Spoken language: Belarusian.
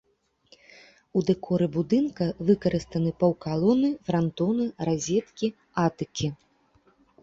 У дэкоры будынка выкарыстаны паўкалоны, франтоны, разеткі, атыкі.